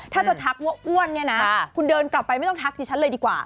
ถ้าจะทักว่าอ้วนเนี่ยนะคุณเดินกลับไปไม่ต้องทักดิฉันเลยดีกว่า